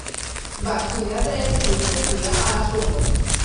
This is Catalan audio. Va estudiar dret i filosofia a la Sorbona.